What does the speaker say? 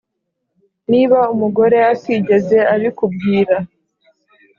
Niba umugore atigeze abikubwira